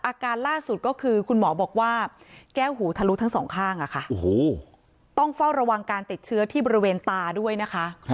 อาการล่าสุดก็คือคุณหมอบอกว่าแก้วหูทะลุทั้งสองข้างต้องเฝ้าระวังการติดเชื้อที่บริเวณตาด้วยนะคะ